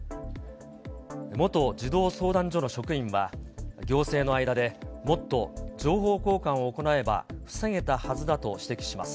元児童相談所の職員は、行政の間でもっと情報交換を行えば、防げたはずだと指摘します。